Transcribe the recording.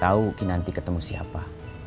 tau kinanti ketemu siapa